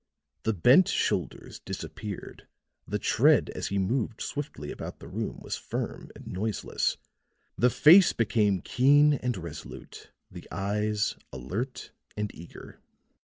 The bent shoulders disappeared, the tread as he moved swiftly about the room was firm and noiseless, the face became keen and resolute, the eyes alert and eager.